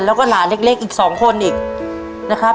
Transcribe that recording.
แล้วก็หลานเล็กอีก๒คนอีกนะครับ